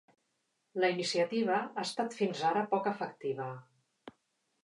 La iniciativa ha estat fins ara poc efectiva.